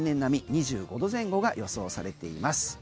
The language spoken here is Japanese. ２５度前後が予想されています。